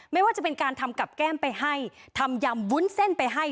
ไม่ว่าจะเป็นการทำกับแก้มไปให้ทำยำวุ้นเส้นไปให้